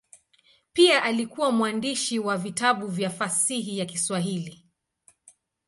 Pia alikuwa mwandishi wa vitabu vya fasihi ya Kiswahili.